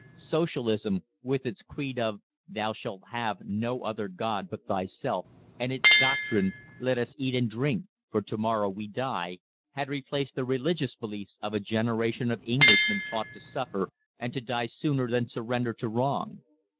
Socialism, with its creed of "Thou shalt have no other god but Thyself," and its doctrine, "Let us eat and drink, for to morrow we die," had replaced the religious beliefs of a generation of Englishmen taught to suffer and to die sooner than surrender to wrong.